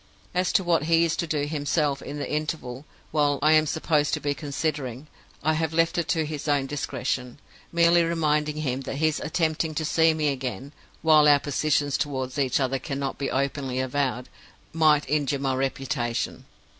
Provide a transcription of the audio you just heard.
As to what he is to do himself in the interval while I am supposed to be considering, I have left it to his own discretion merely reminding him that his attempting to see me again (while our positions toward each other cannot be openly avowed) might injure my reputation.